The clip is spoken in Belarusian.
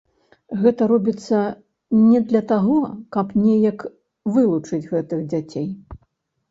Гэта робіцца не для таго, каб неяк вылучыць гэтых дзяцей.